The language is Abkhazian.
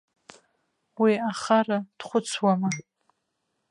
Уи ахара дхәыцуама.